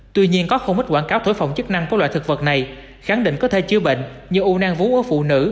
tuy nhiên có không ít quảng cáo thổi phòng chức năng của loại thực vật này khẳng định có thể chứa bệnh như u nang vú ở phụ nữ